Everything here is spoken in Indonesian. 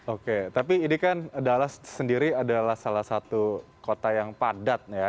oke tapi ini kan dallas sendiri adalah salah satu kota yang padat ya